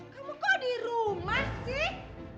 kamu kok di rumah sih